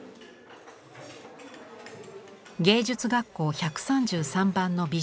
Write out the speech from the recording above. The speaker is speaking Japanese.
芸術学校１３３番の美術教師